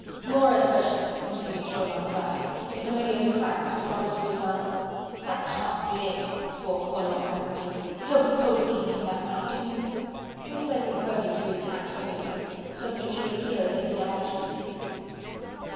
"More especially," continued Chauvelin drily, "if a million francs were promised you as well?" "Sacre Anglais!" swore Collot angrily, "you don't propose giving him that money, do you?" "We'll place it ready to his hand, at any rate, so that it should appear as if he had actually taken it."